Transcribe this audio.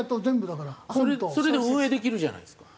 それで運営できるじゃないですか。